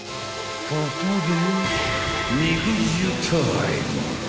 ［ここで］